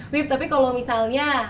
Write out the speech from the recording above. bip tapi kalau misalnya